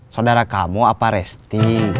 saudara kamu apa resti